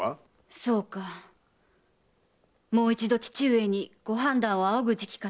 そうかもう一度父上にご判断を仰ぐ時期かと思ったが。